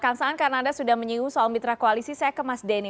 kansahan karena anda sudah menyinggung soal mitra kualiti saya ke mas denny